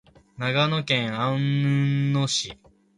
長野県安曇野市